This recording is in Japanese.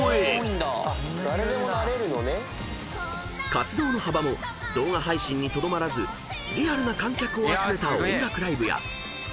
［活動の幅も動画配信にとどまらずリアルな観客を集めた音楽ライブやトークイベント］